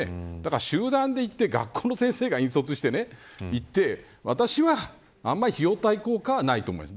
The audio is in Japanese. だから、集団でいって学校の先生が引率していって私は、あまり費用対効果はないと思います。